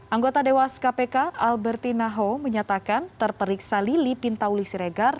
anggota dewas kpk alberti naho menyatakan terperiksa lili pintauli siregar